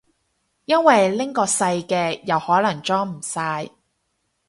因為拎個細嘅又可能裝唔晒